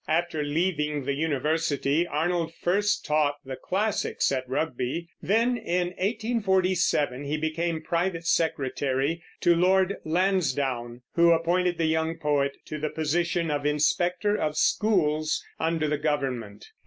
After leaving the university Arnold first taught the classics at Rugby; then, in 1847, he became private secretary to Lord Lansdowne, who appointed the young poet to the position of inspector of schools under the government.